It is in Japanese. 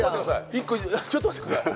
１個ちょっと待ってください